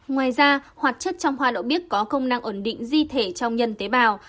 ngoài ra hoạt chất trong hoa đậu biếc có công năng ổn định di thể trong nhân tế bào